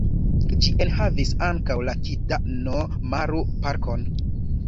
Ĝi enhavis ankaŭ la Kita-no-maru-parkon.